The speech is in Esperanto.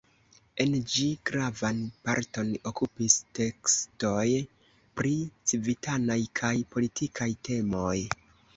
En ĝi gravan parton okupis tekstoj pri civitanaj kaj politikaj temoj.